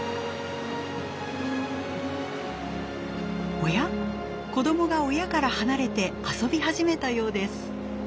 おや子どもが親から離れて遊び始めたようです。